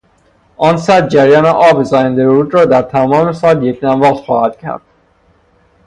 آن سد جریان آب زاینده رود را در تمام سال یکنواخت خواهد کرد.